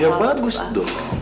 ya bagus dong